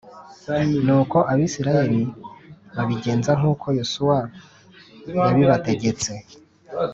Nuko Abisirayeli babigenza nk uko Yosuwa yabibategetse